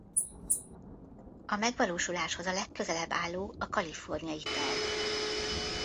A megvalósuláshoz a legközelebb álló a kaliforniai terv.